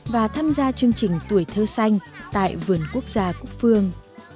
và tham gia chương trình tuổi thơ xanh tại vườn quốc gia cúc phương